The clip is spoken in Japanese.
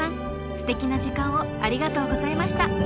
ステキな時間をありがとうございました。